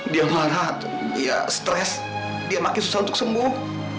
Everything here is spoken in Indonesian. dia menghangat dia stres dia makin susah untuk sembuh